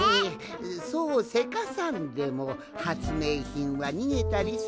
そうせかさんでもはつめいひんはにげたりせんわい。